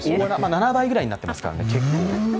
７倍ぐらいになってますからね結構。